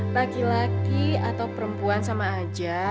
laki laki atau perempuan sama aja